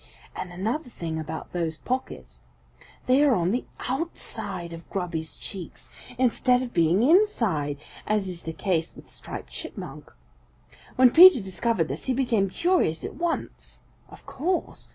And another thing about those pockets they are on the outside of Grubby's cheeks instead of being inside, as is the case with Striped Chipmunk. "When Peter discovered this, he became curious at once. Of course.